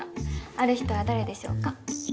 ある人は誰でしょうか？